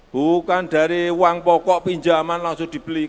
bukan dari uang pokok pinjaman langsung dibeli